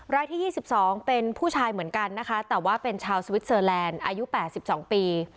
รายที่๒๒เป็นผู้ชายเหมือนกันนะคะแต่ว่าเป็นชาวสวิสเซอร์แลนด์อายุ๘๒ปี